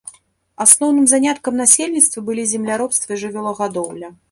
Асноўным заняткам насельніцтва былі земляробства і жывёлагадоўля.